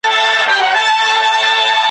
له ستړیا یې اندامونه رېږدېدله `